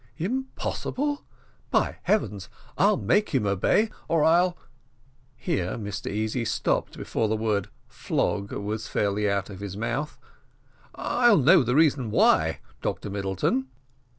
"Impossible! By heavens, I'll make him obey, or I'll " Here Mr Easy stopped before the word "flog" was fairly out of his mouth "I'll know the reason why, Dr Middleton."